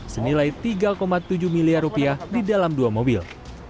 senilai tiga tujuh miliar rupiah di dalam dua mobil